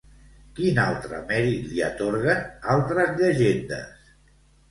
Quin altre mèrit li atorguen, altres llegendes?